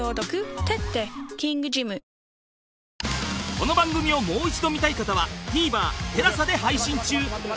この番組をもう一度見たい方は ＴＶｅｒＴＥＬＡＳＡ で配信中